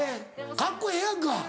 カッコええやんか。